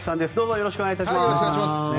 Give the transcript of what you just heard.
よろしくお願いします。